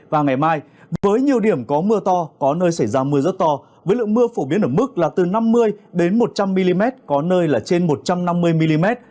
và ngày mai với nhiều điểm có mưa to có nơi xảy ra mưa rất to với lượng mưa phổ biến ở mức là từ năm mươi một trăm linh mm có nơi là trên một trăm năm mươi mm